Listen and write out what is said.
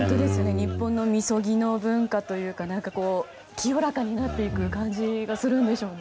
日本のみそぎの文化というか清らかになっていく感じがするんでしょうね。